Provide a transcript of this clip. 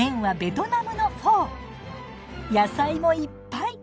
野菜もいっぱい！